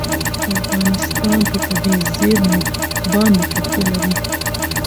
افغانستان په طبیعي زیرمې باندې تکیه لري.